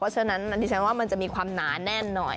เพราะฉะนั้นดิฉันว่ามันจะมีความหนาแน่นหน่อย